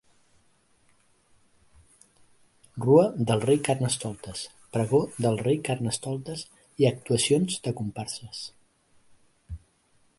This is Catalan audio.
Rua del Rei Carnestoltes, pregó del Rei Carnestoltes i actuacions de comparses.